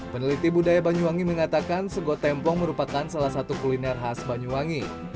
peneliti budaya banyuwangi mengatakan segot tempong merupakan salah satu kuliner khas banyuwangi